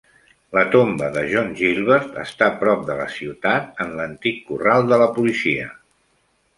La tomba de John Gilbert està prop de la ciutat en l'antic corral de la policia.